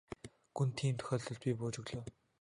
Гүн тийм тохиолдолд би бууж өглөө.